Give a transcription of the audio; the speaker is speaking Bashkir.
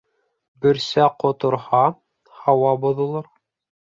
Бөрсә ҡоторһа, һауа боҙолор.